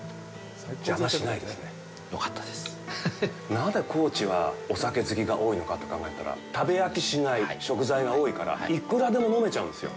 なぜ高知はお酒好きが多いのかと考えたら、食べ飽きしない食材が多いから、幾らでも飲めちゃうんですよ。